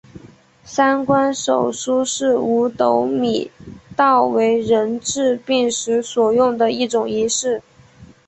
三官手书是五斗米道为人治病时所用的一种仪式。